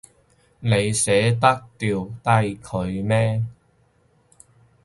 你捨得掉低佢咩？